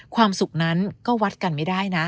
ความสุขนั้นก็วัดกันไม่ได้นะ